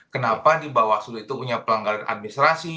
kenapa di bawaslu itu punya pelanggaran administrasi